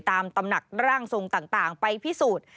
ตำหนักร่างทรงต่างไปพิสูจน์